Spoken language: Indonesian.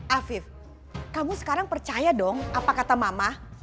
afif kamu sekarang percaya dong apa kata mama